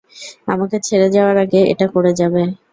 আমাকে ছেড়ে যাওয়ার আগে এটা করে যাবে!